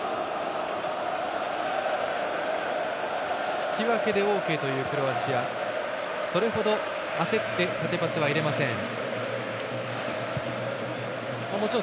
引き分けでオーケーというクロアチアそれほど焦って縦パスは入れません。